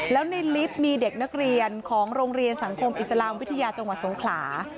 แล้วในลิฟต์มีเด็กนักเรียนของโรงเรียนสังคมอิสลามวิทยาจังหวัดสงขลา